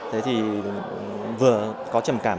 thế thì vừa có trầm cảm